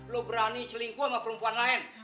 lo berani selingkuh sama perempuan lain